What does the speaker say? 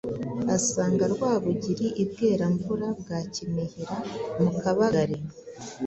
asanga Rwabugili i Bweramvura bwa Kinihira mu Kabagali,